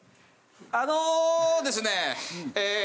あのですねえ